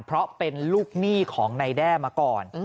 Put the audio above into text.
เพราะเป็นลูกหนี้ของนายแด้มาก่อน